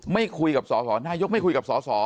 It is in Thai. ไม่คุยกับสสนายกไม่คุยกับสส